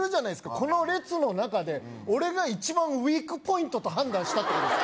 この列の中で俺が一番ウイークポイントと判断したってことですよ